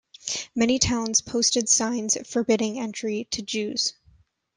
Many towns posted signs forbidding entry to Jews.